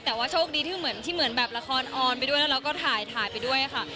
แต่ว่าโชคดีที่เหมือนละครออนไปด้วยแล้วก็ถ่ายไปด้วยค่ะ